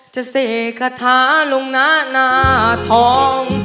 จะเป้กระทะลงหน้านาท้อง